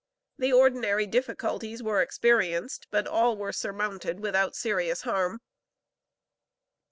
The ordinary difficulties were experienced, but all were surmounted without serious harm.